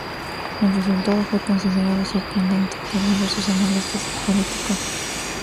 El resultado fue considerado sorprendente por diversos analistas políticos.